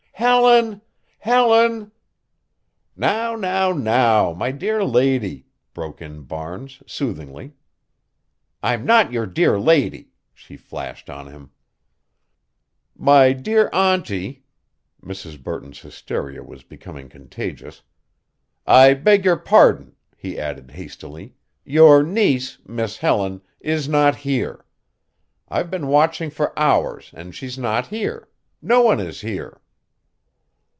Helen! Helen!" "Now, now, now my dear lady," broke in Barnes, soothingly. "I'm not your dear lady," she flashed on him. "My dear auntie" Mrs. Burton's hysteria was becoming contagious "I beg your pardon," he added hastily, "your niece, Miss Helen, is not here. I've been watching for hours, and she's not here no one is here."